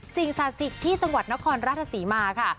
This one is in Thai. สิ่งศักดิ์สิทธิ์ที่จังหวัดนครราชศรีมาค่ะ